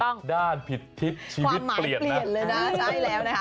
ซายผิดด้านผิดทิศชีวิตเปลี่ยน